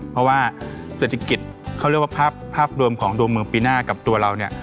เพราะว่าเศรษฐกิจเขาเรียกว่าภาพรวมของดวงเมืองปีหน้ากับตัวเราเนี่ย